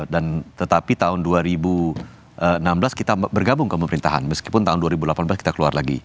dan tetapi tahun dua ribu enam belas kita bergabung ke pemerintahan meskipun tahun dua ribu delapan belas kita keluar lagi